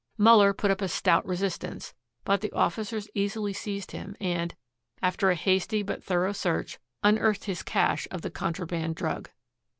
Muller put up a stout resistance, but the officers easily seized him and, after a hasty but thorough search, unearthed his cache of the contraband drug.